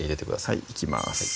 はいいきます